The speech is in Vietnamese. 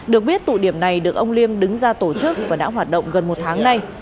được biết tụ điểm này được ông liêm đứng ra tổ chức và đã hoạt động gần một tháng nay